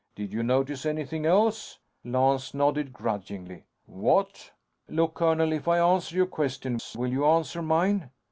Did you notice anything else?" Lance nodded, grudgingly. "What?" "Look, colonel. If I answer your questions, will you answer mine?"